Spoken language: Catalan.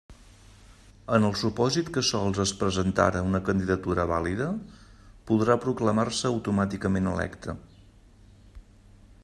En el supòsit que sols es presentara una candidatura vàlida, podrà proclamar-se automàticament electa.